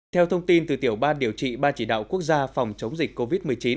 theo thông tin từ tiểu ban điều trị ban chỉ đạo quốc gia phòng chống dịch covid một mươi chín